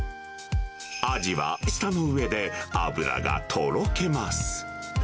アジは舌の上で脂がとろけます。